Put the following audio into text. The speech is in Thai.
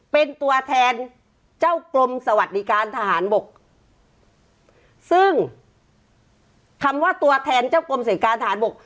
เป็นตัวแทนเจ้ากรมสวัสดิการทหารบกซึ่งคำว่าตัวแทนเจ้ากรมเสร็จการทหารบก